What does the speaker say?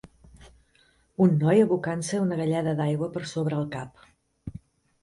Un noi abocant-se una galleda d'aigua per sobre el cap.